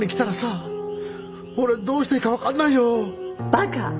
バカ！